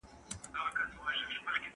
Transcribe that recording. په لحد کي به نارې کړم زړه مي ډک له ارمانونو